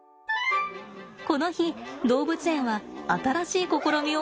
この日動物園は新しい試みを始めました。